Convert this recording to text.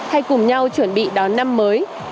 hay cùng nhau chuẩn bị đón năm mới